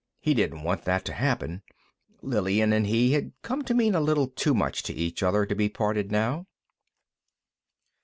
He didn't want that to happen. Lillian and he had come to mean a little too much to each other to be parted now.